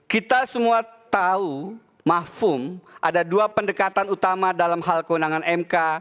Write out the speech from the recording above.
kita semua tahu makfum ada dua pendekatan utama dalam hal kewenangan mk